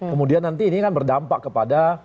kemudian nanti ini kan berdampak kepada